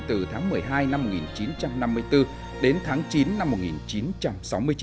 từ tháng một mươi hai năm một nghìn chín trăm năm mươi bốn đến tháng chín năm một nghìn chín trăm sáu mươi chín